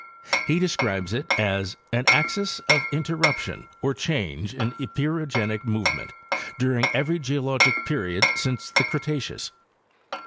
He describes itt as "an axis of interruption or change in epeirogenic movement during every geologic period since the Cretaceous."